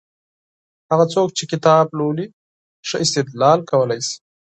هغه څوک چي کتاب لولي، ښه استدلال کولای سي.